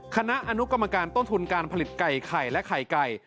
คณะอนุกรรมการต้นทุนการผลิตไก่ไข่และไข่ไก่